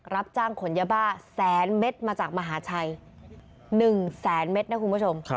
รับจ้างขนยาบ้าแสนเม็ดมาจากมหาชัย๑แสนเมตรนะคุณผู้ชม